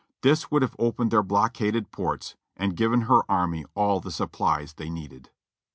This would have opened her blockaded ports and given her army all the supplies they needed.